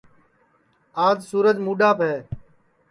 آج سورج مُڈٚاپ ہے